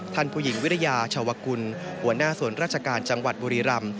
ท่านผู้หญิงวิริยาชาวกุลหัวหน้าส่วนราชการจังหวัดบุรีรำ